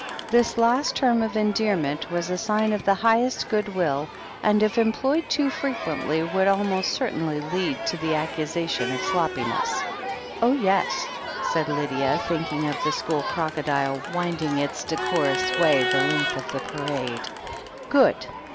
This last term of endearment was a sign of the high est goodwill, and if employed too frequently would al most certainly lead to the accusation of sloppiness. "Oh, yes," said Lydia, thinking of the school croco dile wending its decorous way the length of the Parade, "Good.